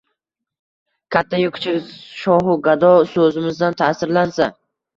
katta-yu kichik, shohu-gado so‘zimizdan ta’sirlansa